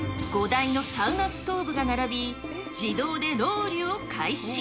５台のサウナストーブが並び、自動でロウリュを開始。